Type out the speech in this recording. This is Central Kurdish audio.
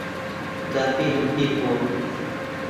داپیرم پیر بووە.